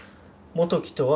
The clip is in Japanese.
元基とは。